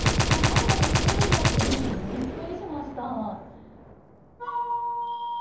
バタバタしてないんだっていうのがびっくりしました。